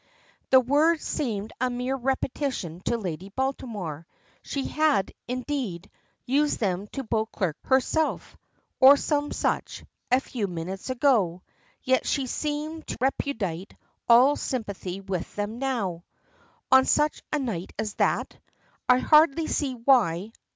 The words seem a mere repetition to Lady Baltimore. She had, indeed, used them to Beauclerk herself, or some such, a few minutes ago. Yet she seems to repudiate all sympathy with them now. "On such a night as that? I hardly see why.